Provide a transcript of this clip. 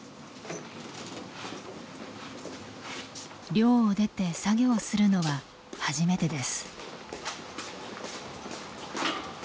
寮を出て作業をするのは初めてです。